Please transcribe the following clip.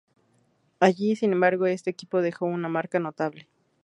Allí, sin embargo, este equipo dejó una marca notable.